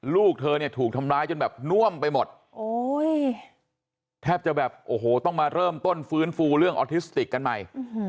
ลูกเธอเนี่ยถูกทำร้ายจนแบบน่วมไปหมดแทบจะแบบโอ้โหต้องมาเริ่มต้นฟื้นฟูเรื่องออทิสติกกันใหม่